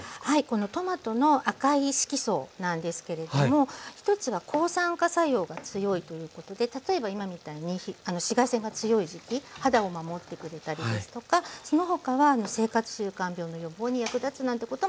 このトマトの赤い色素なんですけれども１つは抗酸化作用が強いということで例えば今みたいに紫外線が強い時期肌を守ってくれたりですとかその他は生活習慣病の予防に役立つなんてことも分かってきてます。